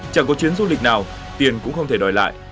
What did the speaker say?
chẳng có chuyến du lịch nào tiền cũng không thể đòi lại